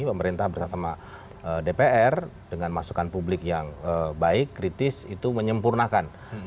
pemerintah bersama dpr dengan masukan publik yang baik kritis itu menyempurnakan